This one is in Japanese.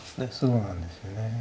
そうなんですよね。